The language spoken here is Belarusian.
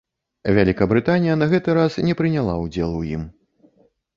Вялікабрытанія на гэты раз не прыняла ўдзел у ім.